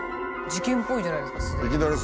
事件っぽいじゃないですかすでに。